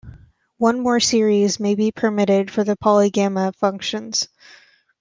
One more series may be permitted for the polygamma functions.